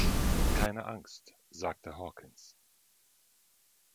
"Keine Angst", sagte Hawkins.